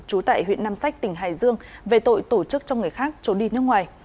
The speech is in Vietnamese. trú tại huyện nam sách tỉnh hải dương về tội tổ chức cho người khác trốn đi nước ngoài